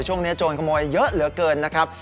ช่วงนี้โจรขโมยเยอะเหลือเกินนะครับ